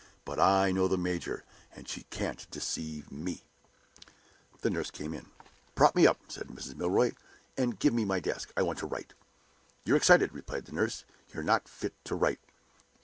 "But I know the major; and she can't deceive me!" The nurse came in. "Prop me up," said Mrs. Milroy. "And give me my desk. I want to write." "You're excited," replied the nurse. "You're not fit to write."